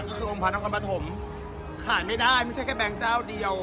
ก็คือโรงพยาบาลนครปฐมขายไม่ได้ไม่ใช่แค่แบงค์เจ้าเดียว